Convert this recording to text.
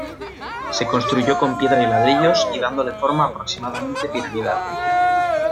Se construyó con piedra y ladrillos y dándole forma aproximadamente piramidal.